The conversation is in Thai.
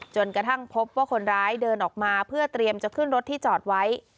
จนกระทั่งพบว่าคนร้ายเดินออกมาเพื่อเตรียมจะขึ้นรถที่จอดไว้